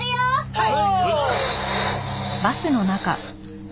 はい！